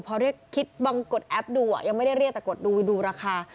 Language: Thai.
พอเรียกคิดบางกดแอปดูยังไม่ได้เรียกแต่กดดูดูราคา